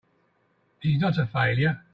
He's not a failure!